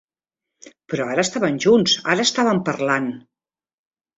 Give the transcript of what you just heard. Però ara estaven junts; ara estaven parlant.